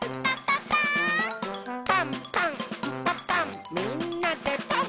「パンパンんパパンみんなでパン！」